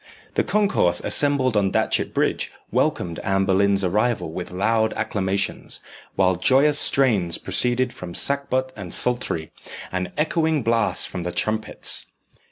The concourse assembled on Datchet Bridge welcomed Anne Boleyn's arrival with loud acclamations, while joyous strains proceeded from sackbut and psaltery, and echoing blasts from the trumpets.